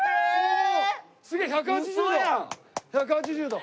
１８０度。